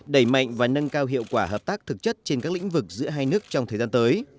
đẩy mạnh và nâng cao hiệu quả hợp tác thực chất trên các lĩnh vực giữa hai nước trong thời gian tới